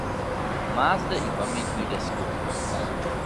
Má zde i pamětní desku.